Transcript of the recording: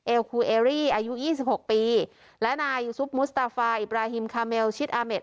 คูเอรี่อายุ๒๖ปีและนายซุปมุสตาไฟบราฮิมคาเมลชิดอาเมด